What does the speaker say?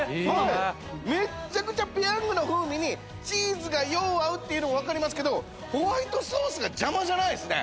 めっちゃくちゃペヤングの風味にチーズがよう合うっていうのわかりますけどホワイトソースが邪魔じゃないですね。